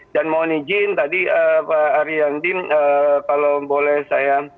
dan mohon izin tadi pak ariandin kalau boleh saya